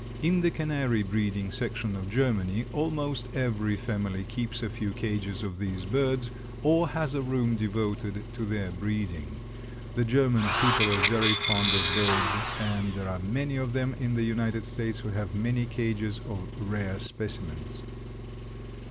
In the canary breeding section of Germany, almost every family keeps a few cages of these birds, or has a room devoted to their breeding. The German people are very fond of birds and there are many of them in the United States who have many cages of rare specimens.